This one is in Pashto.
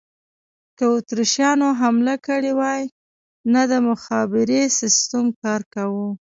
که اتریشیانو حمله کړې وای، نه د مخابرې سیسټم کار کاوه.